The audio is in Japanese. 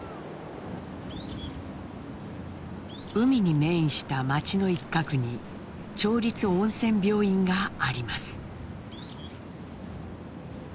海に面した町の一角に町立温泉病院があります。